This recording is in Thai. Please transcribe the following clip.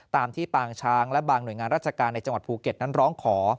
ตามที่ปางช้างและบางหน่วยงานราชการในจังหวัดภูเก็ตนั้นร้องขอ